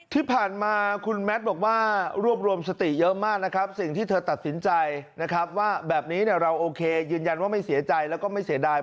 ที่ผ่านมาคุณแมทบอกว่ารวบรวมสติเยอะมากนะครับสิ่งที่เธอตัดสินใจนะครับว่าแบบนี้เราโอเคยืนยันว่าไม่เสียใจแล้วก็ไม่เสียดาย